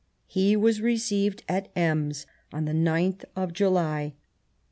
He was received at Ems on the 9th of July.